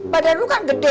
badar lu kan gede